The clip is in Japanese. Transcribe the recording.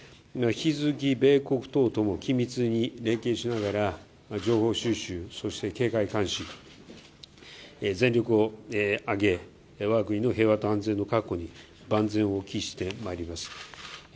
引き続き米国等とも緊密に連携しながら情報収集、そして警戒監視全力を挙げ我が国の平和と安全の確保に万全を期してまいります。